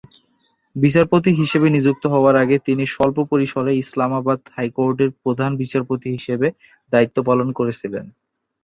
বিচারপতি হিসাবে নিযুক্ত হওয়ার আগে তিনি সল্প পরিসরে ইসলামাবাদ হাইকোর্টের প্রধান বিচারপতি হিসাবে দায়িত্ব পালন করেছিলেন।